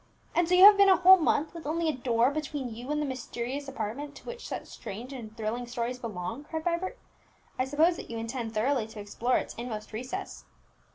"And so you have been a whole month with only a door between you and the mysterious apartment to which such strange and thrilling stories belong!" cried Vibert. "I suppose that you intend thoroughly to explore its inmost recess."